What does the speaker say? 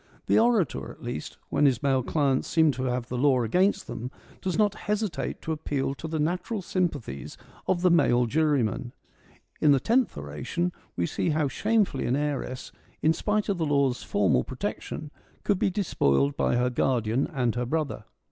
The orator, at least, when his male clients seem to have the law against them, does not hesitate to appeal to the natural sympathies of 192 FEMINISM IN GREEK LITERATURE the male jurymen ; and in the tenth oration we see how shamefully an heiress, in spite of the law's formal protection, could be despoiled by her guardian and her brother.